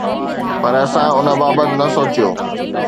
پر اسان ان بابت نه سوچيو.